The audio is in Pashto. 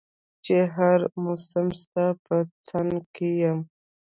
چي هر مسم ستا په څنګ کي يم